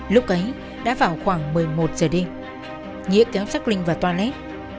lúc ấy đã vào khoảng một mươi một giờ đêm nghĩa kéo sắc linh vào toilet